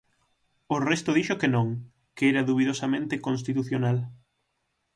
O resto dixo que non, que era dubidosamente constitucional.